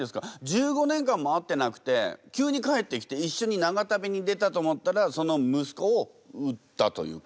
１５年間も会ってなくて急に帰ってきていっしょに長旅に出たと思ったらその息子を売ったというか。